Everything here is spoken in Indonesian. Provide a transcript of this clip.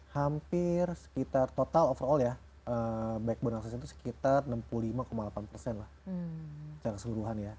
hampir sekitar total overall ya backbone access itu sekitar enam puluh lima delapan persen lah secara keseluruhan ya